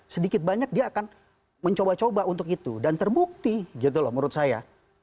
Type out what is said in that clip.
sedikit banyak dia akan mencoba coba untuk itu dan terbukti gitu loh menurut saya